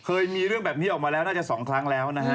เคยมีเรื่องแบบนี้ออกมาแล้วน่าจะ๒ครั้งแล้วนะฮะ